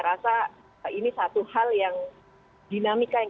rasa ini satu hal yang dinamika yang